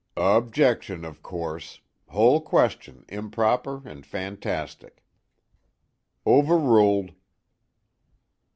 "Objection of course. Whole question improper and fantastic." "Overruled."